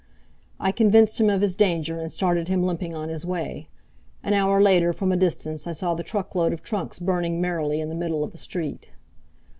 I convinced him of his danger and started him limping on his way. An hour later, from a distance, I saw the truck load of trunks burning merrily in the middle of the street.